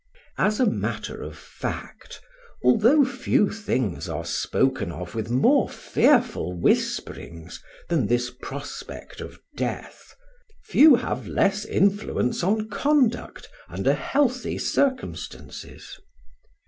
As a matter of fact, although few things are spoken of with more fearful whisperings than this prospect of death, few have less influence on conduct under healthy circumstances.